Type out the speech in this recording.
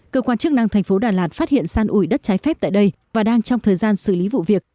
cơ quan chức năng thành phố đà lạt phát hiện san ủi đất trái phép tại đây và đang trong thời gian xử lý vụ việc